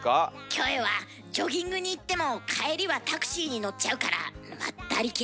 キョエはジョギングに行っても帰りはタクシーに乗っちゃうからまったり系。